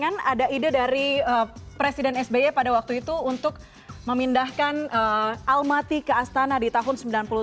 ada ide dari presiden sby pada waktu itu untuk memindahkan almaty ke astana di tahun seribu sembilan ratus sembilan puluh tujuh